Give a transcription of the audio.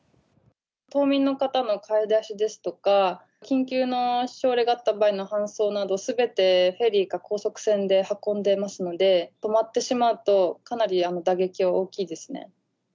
島民の方の買い出しですとか、緊急の症例があった場合の搬送などすべてフェリーか高速船で運んでますので、止まってしまうと、かなり打撃は大きいですね。